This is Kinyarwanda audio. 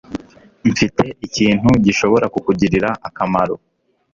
Mfite ikintu gishobora kukugirira akamaro